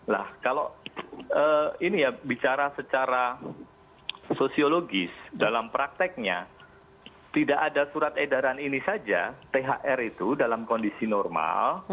nah kalau ini ya bicara secara sosiologis dalam prakteknya tidak ada surat edaran ini saja thr itu dalam kondisi normal